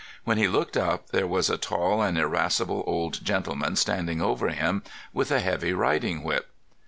When he looked up there was a tall and irascible old gentleman standing over him with a heavy riding whip.